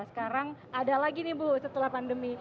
sekarang ada lagi nih bu setelah pandemi